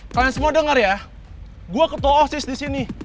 kalian semua denger ya gue ketuosis disini